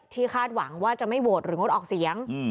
คาดหวังว่าจะไม่โหวตหรืองดออกเสียง